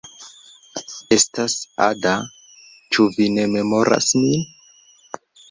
Estas Ada. Ĉu vi ne memoras min?